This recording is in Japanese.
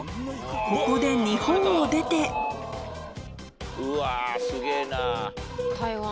ここで日本を出てうわすげぇな。